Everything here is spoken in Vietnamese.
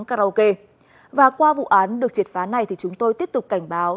karaoke và qua vụ án được triệt phá này thì chúng tôi tiếp tục cảnh báo